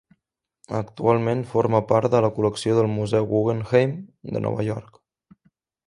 Actualment forma part de la col·lecció del Museu Guggenheim de Nova York.